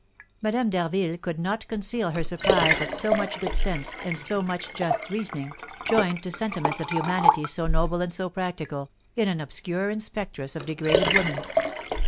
Madame d'Harville could not conceal her surprise at so much good sense, and so much just reasoning, joined to sentiments of humanity so noble and so practical, in an obscure inspectress of degraded women.